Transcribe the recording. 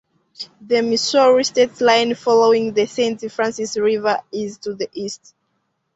The Missouri state line, following the Saint Francis River, is to the east.